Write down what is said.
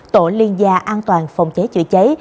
tổ liên gia an toàn phòng cháy chữa cháy